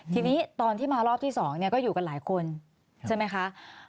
ทีนี้ตอนที่มารอบที่๒ก็อยู่กันหลายคนใช่ไหมคะ